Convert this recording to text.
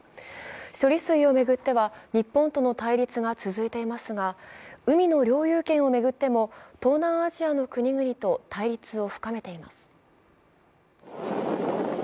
処理水を巡っては日本との対立が続いていますが、海の領有権を巡っても東南アジアの国々と対立を深めています。